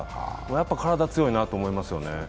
やっぱ体強いなと思いますよね。